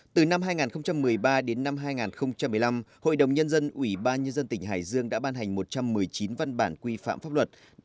từ năm hai nghìn một mươi ba đến năm hai nghìn một mươi năm hội đồng nhân dân ủy ban nhân dân tỉnh hải dương đã ban hành một trăm một mươi chín văn bản quy phạm pháp luật